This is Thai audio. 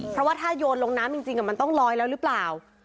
เพราะว่าถ้าโยนลงน้ำจริงมันต้องลอยแล้วหรือเปล่า